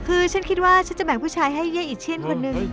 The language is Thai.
คือฉันคิดว่าฉันจะแบ่งผู้ชายให้เย่อิเชียนคนหนึ่ง